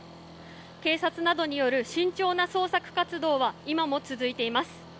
警察などによる慎重な捜索活動は今も続いています。